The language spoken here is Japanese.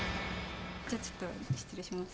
じゃちょっと失礼します